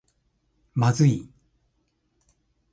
まずい